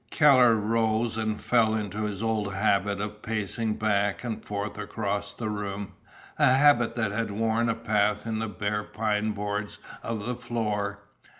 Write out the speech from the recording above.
Keller rose and fell into his old habit of pacing back and forth across the room, a habit that had worn a path in the bare pine boards of the floor.